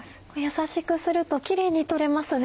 優しくするとキレイに取れますね。